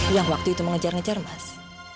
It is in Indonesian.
yang waktu itu mengejar ngejar mas